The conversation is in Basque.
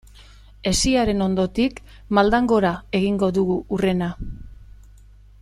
Hesiaren ondotik maldan gora egingo dugu hurrena.